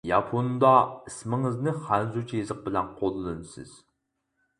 ياپوندا ئىسمىڭىزنى خەنزۇچە يېزىق بىلەن قوللىنىسىز.